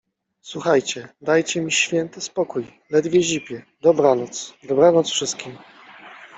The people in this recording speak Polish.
- Słuchajcie, dajcie mi święty spokój. Ledwie zipię. Dobranoc, dobranoc wszystkim.